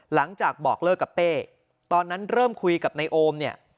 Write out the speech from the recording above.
หลังจากบอกเลิกกับเป้ตอนนั้นเริ่มคุยกับนายโอมเนี่ย